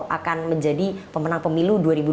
akan menjadi pemenang pemilu dua ribu dua puluh